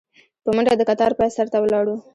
په منډه د کتار پاى سر ته ولاړو.